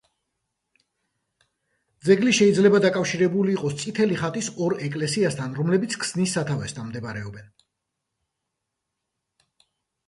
ძეგლი შეიძლება დაკავშირებული იყოს „წითელი ხატის“ ორ ეკლესიასთან, რომლებიც ქსნის სათავესთან მდებარეობს.